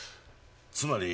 つまり。